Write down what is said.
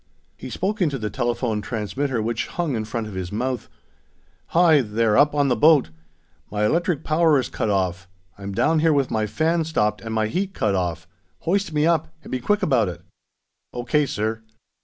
He spoke into the telephone transmitter, which hung in front of his mouth: "Hi, there, up on the boat! My electric power is cut off. I'm down here with my fan stopped and my heat cut off. Hoist me up, and be quick about it!" "O.K., sir."